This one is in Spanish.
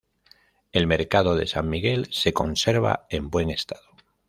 El Mercado de San Miguel, se conserva en buen estado.